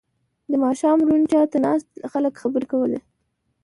• د ماښام روڼتیا ته ناست خلک خبرې کولې.